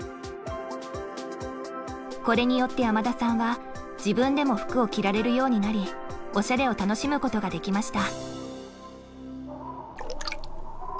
これによって山田さんは自分でも服を着られるようになりおしゃれを楽しむことができました。